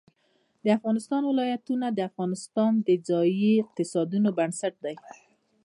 د افغانستان ولايتونه د افغانستان د ځایي اقتصادونو بنسټ دی.